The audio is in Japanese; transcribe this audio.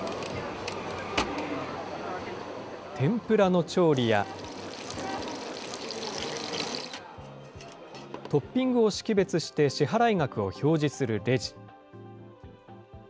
天ぷらの調理や、トッピングを識別して支払い額を表示するレジ。